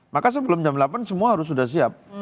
maka sebelum jam delapan semua harus sudah siap